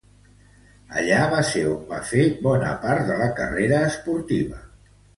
Allí va ser on va fer bona part de la carrera esportiva.